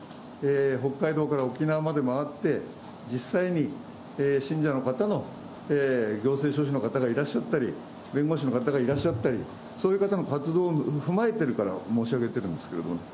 北海道から沖縄まで回って、実際に信者の方の行政書士の方がいらっしゃったり、弁護士の方がいらっしゃったり、そういう方の活動を踏まえてるから申し上げてるんですけれども。